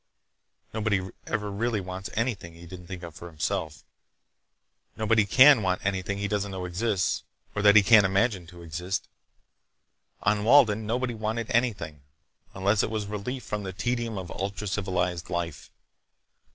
Nobody ever really wants anything he didn't think of for himself. Nobody can want anything he doesn't know exists—or that he can't imagine to exist. On Walden nobody wanted anything, unless it was relief from the tedium of ultra civilized life.